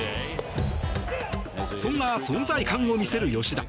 そんな存在感を見せる吉田。